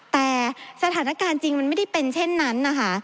แต่สถานการณ์จริงมันไม่ได้เป็นเช่นนั้นนะคะ